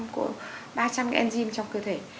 ba trăm linh cái enzyme trong cơ thể